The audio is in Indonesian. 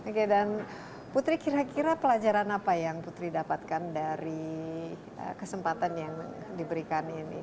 oke dan putri kira kira pelajaran apa yang putri dapatkan dari kesempatan yang diberikan ini